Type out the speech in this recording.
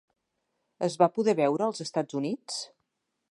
Es va poder veure als Estats Units?